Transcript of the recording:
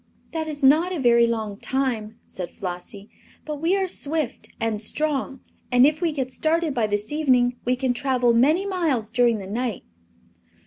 "That is not a very long time," said Flossie; "but we are swift and strong, and if we get started by this evening we can travel many miles during the night."